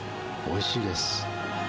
おいしいです。